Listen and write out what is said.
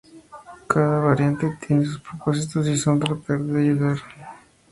Cada variante tiene sus propósitos y son: tratar de ayudar y evitar daños posteriores.